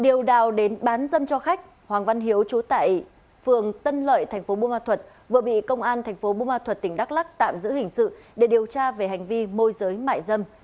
điều đào đến bán dâm cho khách hoàng văn hiếu trú tại phường tân lợi tp bùa ma thuật vừa bị công an tp bùa ma thuật tỉnh đắk lắc tạm giữ hình sự để điều tra về hành vi môi giới mại dâm